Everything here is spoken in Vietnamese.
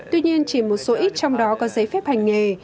tuy nhiên chỉ một số ít trong đó có giấy phép hành nghề